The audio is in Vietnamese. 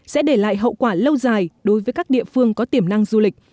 sẽ để lại hậu quả lâu dài đối với các địa phương có tiềm năng du lịch